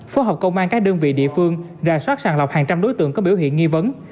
phó học công an các đơn vị địa phương ra soát sàn lọc hàng trăm đối tượng có biểu hiện nghi vấn